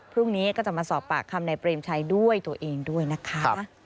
พรุ่งนี้ก็จะมาสอบปากคำในเปรมชัยด้วยตัวเองด้วยนะคะ